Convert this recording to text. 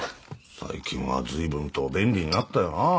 最近はずいぶんと便利になったよなあ。